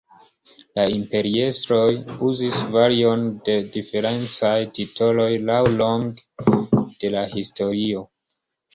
La imperiestroj uzis varion de diferencaj titoloj laŭlonge de la historio.